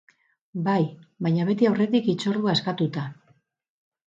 Bai, baina beti aurretik hitzordua eskatuta.